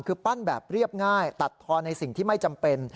คือปั้นแบบเรียบง่ายตัดทอในสิ่งที่ไม่จำเป็น